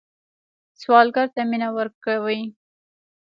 سوالګر ته مینه ورکوئ